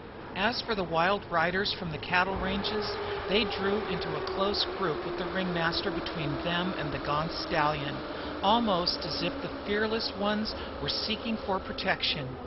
As for the wild riders from the cattle ranges, they drew into a close group with the ringmaster between them and the gaunt stallion, almost as if the fearless ones were seeking for protection.